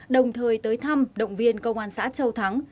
đồng thời tới thăm động viên công an xã châu thắng